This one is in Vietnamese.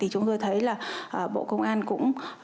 chúng tôi thấy bộ công an